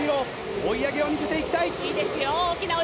追い上げを見せています。